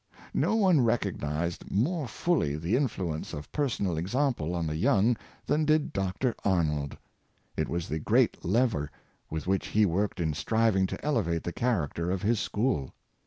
No one recognized more fully the influence of per sonal example on the young than did Dr. Arnold. It was the great lever with which he worked in striving to elevate the character of his school.